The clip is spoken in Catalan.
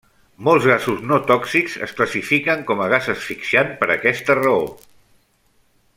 Molts gasos no tòxics es classifiquen com a gas asfixiant per aquesta raó.